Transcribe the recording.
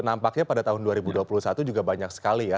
nampaknya pada tahun dua ribu dua puluh satu juga banyak sekali ya